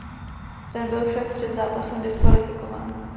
Ten byl však před zápasem diskvalifikován.